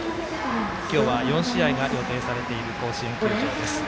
今日は４試合が予定されている甲子園球場です。